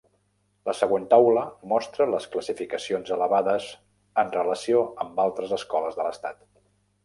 La següent taula mostra les classificacions elevades en relació amb altres escoles de l'estat